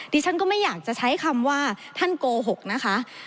ดิฉันก็ไม่อยากจะใช้คำว่าท่านโกหกนะคะ